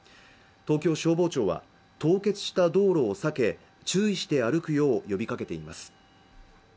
東京消防庁は凍結した道路を避け注意して歩くよう呼びかけています